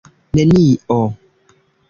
nenio